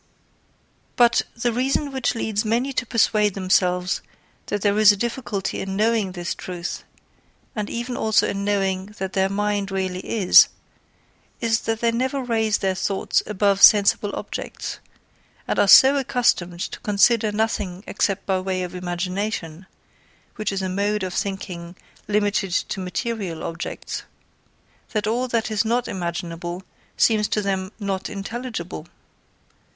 But the reason which leads many to persuade them selves that there is a difficulty in knowing this truth, and even also in knowing what their mind really is, is that they never raise their thoughts above sensible objects, and are so accustomed to consider nothing except by way of imagination, which is a mode of thinking limited to material objects, that all that is not imaginable seems to them not intelligible.